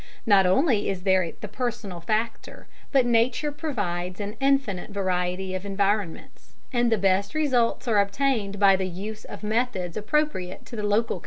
Not only is there the personal factor, but nature provides an infinite variety of environments, and the best results are obtained by the use of methods appropriate to the local conditions.